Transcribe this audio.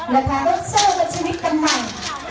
ระคะเราจะพลขึ้นชีวิตกันใหม่